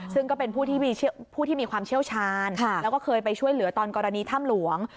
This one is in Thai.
ซึ่งก็เป็นผู้ที่มีความเชี่ยวชาญแล้วก็เคยไปช่วยเหลือตอนกรณีถ้ำหลวง